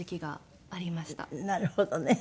なるほどね。